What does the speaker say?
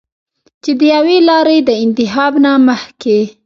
چې د يوې لارې د انتخاب نه مخکښې